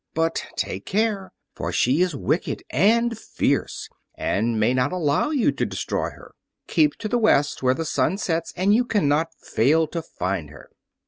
But take care; for she is wicked and fierce, and may not allow you to destroy her. Keep to the West, where the sun sets, and you cannot fail to find her."